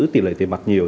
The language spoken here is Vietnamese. tỷ lệ tiền mặt nhiều